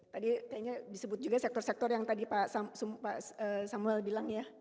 tadi kayaknya disebut juga sektor sektor yang tadi pak samuel bilang ya